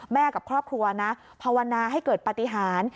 กับครอบครัวนะภาวนาให้เกิดปฏิหาร